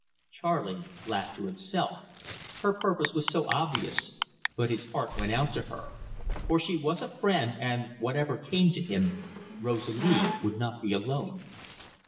Charley laughed to himself, her purpose was so obvious, but his heart went out to her, for she was a friend, and, whatever came to him, Rosalie would not be alone.